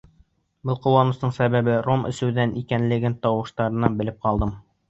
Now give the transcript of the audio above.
Был ҡыуаныстың сәбәбе ром әсеүҙән икәнлеген тауыштарынан белеп ҡалдым.